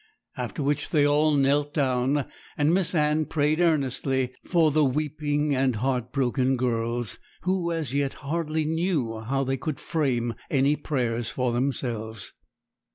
After which they all knelt down; and Miss Anne prayed earnestly for the weeping and heart broken girls, who, as yet, hardly knew how they could frame any prayers for themselves.